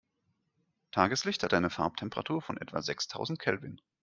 Tageslicht hat eine Farbtemperatur von etwa sechstausend Kelvin.